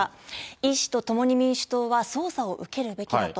イ氏と共に民主党は、捜査を受けるべきだと。